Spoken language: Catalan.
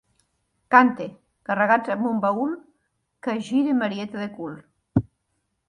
Cante: 'Carregats amb un baül, que es gire Marieta de cul.'